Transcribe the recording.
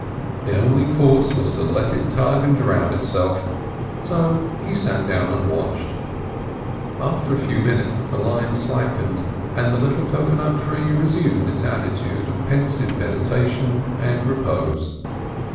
The only course was to let it tug and drown itself. So he sat down and watched. After a few minutes the line slackened, and the little cocoa nut tree resumed its attitude of pensive meditation and repose.